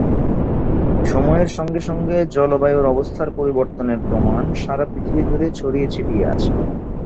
সময়ের সঙ্গে সঙ্গে জলবায়ুর অবস্থার পরিবর্তনের প্রমাণ সারা পৃথিবী জুড়ে ছড়িয়ে ছিটিয়ে আছে।